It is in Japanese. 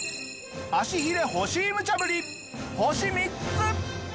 足ヒレ欲しい無茶ぶり星３つ。